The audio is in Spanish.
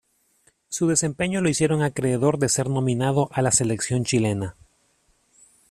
Su desempeño lo hicieron acreedor de ser nominado a la selección chilena.